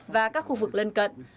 và các khu vực lân cận